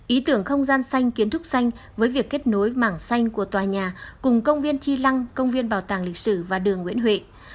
ý tưởng không gian xanh kiến trúc xanh với việc kết nối mảng xanh của tòa nhà cùng công viên chi lăng công viên bảo tàng lịch sử và đường nguyễn huệ